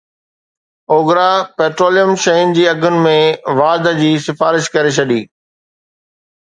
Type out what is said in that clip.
OGRA petroleum شين جي اگهن ۾ واڌ جي سفارش ڪري ڇڏي